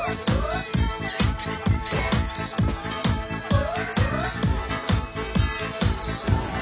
お？